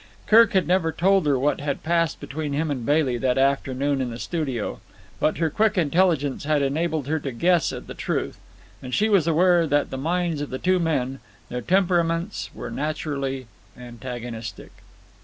Kirk had never told her what had passed between him and Bailey that afternoon in the studio, but her quick intelligence had enabled her to guess at the truth; and she was aware that the minds of the two men, their temperaments, were naturally antagonistic.